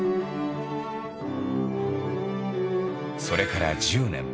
それから１０年。